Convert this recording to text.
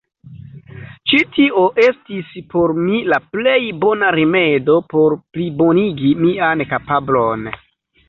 Ĉi tio estis por mi la plej bona rimedo por plibonigi mian kapablon.